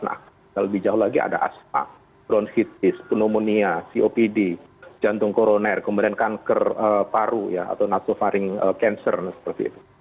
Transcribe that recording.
nah lebih jauh lagi ada asma bronchitis pneumonia copd jantung koroner kemudian kanker paru ya atau nasofaring cancer dan sebagainya